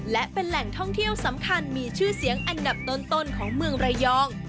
และเป็นแหล่งท่องเที่ยวสำคัญมีชื่อเสียงอันดับต้นของเมืองระยอง